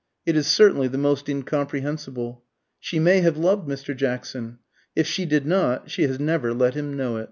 It is certainly the most incomprehensible. She may have loved Mr. Jackson. If she did not, she has never let him know it.